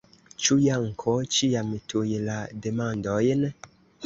Ĉu Janko ĉiam tuj la demandojn?